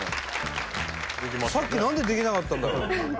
さっきなんでできなかったんだろう？